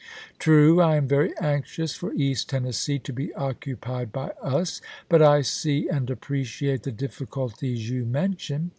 True, I am very anxious for East Tennessee to be occu pied by us ; but I see and appreciate the difficul ties you mention.